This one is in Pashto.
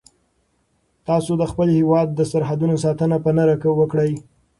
تاسو د خپل هیواد د سرحدونو ساتنه په نره وکړئ.